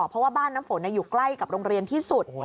เพราะว่าบ้านน้ำฝนอยู่ใกล้กับโรงเรียนที่สุด